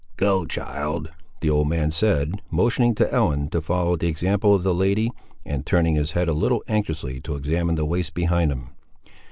"Go, child," the old man said, motioning to Ellen to follow the example of the lady, and turning his head a little anxiously to examine the waste behind him.